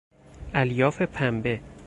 الیاف پنبه